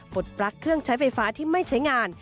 ปลั๊กเครื่องใช้ไฟฟ้าที่ไม่ใช้งาน